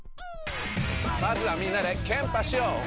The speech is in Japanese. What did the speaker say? まずはみんなでケンパしよう！